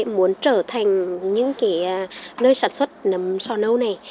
muốn trở thành những nơi sản xuất nấm sò nấu này